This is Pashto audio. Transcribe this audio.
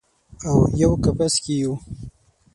اویو کپس کې یو